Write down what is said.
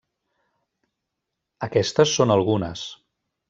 Aquestes són algunes.